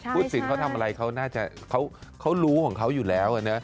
พูดสิ่งเขาทำอะไรเขารู้ของเขาอยู่แล้ว